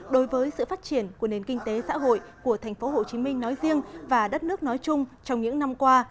đối với sự phát triển của nền kinh tế xã hội của tp hcm nói riêng và đất nước nói chung trong những năm qua